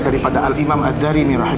daripada al imam ad dari